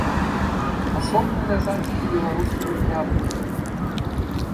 Асобна ляжаць і беларускія яблыкі.